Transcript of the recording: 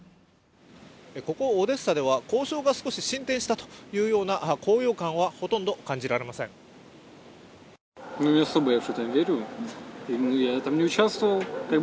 ここオデッサでは交渉が少し進展したというような高揚感はほとんど感じられません